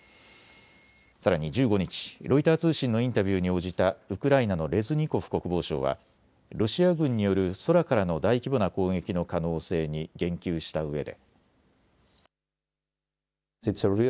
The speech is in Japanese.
さらに１５日、ロイター通信のインタビューに応じたウクライナのレズニコフ国防相はロシア軍による空からの大規模な攻撃の可能性に言及したうえで。